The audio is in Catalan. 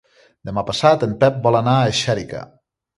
Demà passat en Pep vol anar a Xèrica.